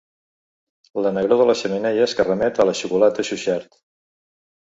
La negror de les xemeneies que remet a la xocolata Suchard.